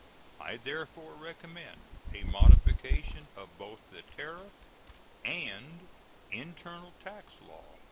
I therefore recommend a modification of both the tariff and internal tax law.